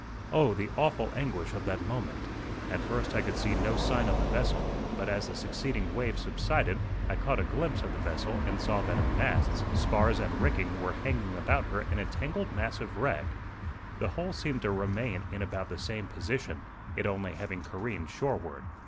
Oh, the awful anguish of that moment! At first I could see no sign of the vessel, but as the succeeding wave subsided I caught a glimpse of the vessel and saw that her masts, spars and rigging were hanging about her in a tangled mass of wreck. The hull seemed to remain in about the same position, it only having careened shoreward.